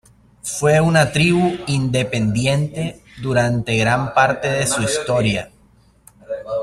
Fue una tribu independiente durante gran parte de su historia.